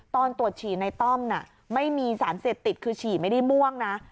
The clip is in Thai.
ตอนตรวจฉี่ในต้อมไม่มีสารเสพติดคือฉี่ไม่ได้ม่วงนะ